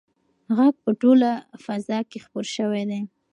غږ په ټوله فضا کې خپور شوی دی.